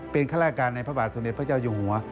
เป็นคลาดการณ์ในพระบาทสนิทพระเจ้าอย่างหัว